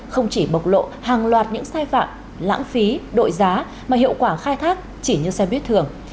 không chỉ bộc lộ hàng loạt những sai phạm lãng phí đội giá mà hiệu quả khai thác chỉ như xe buýt thường